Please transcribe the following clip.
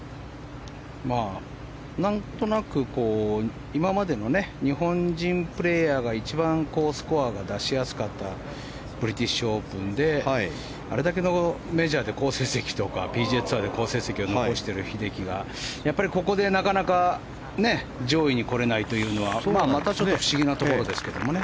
何となく今までの日本人プレーヤーが一番スコアが出しやすかったブリティッシュオープンであれだけのメジャーで好成績とかＰＧＡツアーで好成績を残している英樹がやっぱりここでなかなか上位に来れないというのはまたちょっと不思議なところですけどね。